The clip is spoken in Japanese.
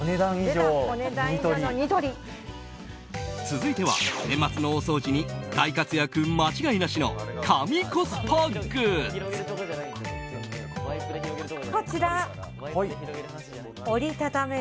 続いては年末の大掃除に大活躍間違いなしの神コスパグッズ。